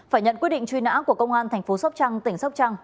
phải nhận quyết định truy nã của công an thành phố sóc trăng tỉnh sóc trăng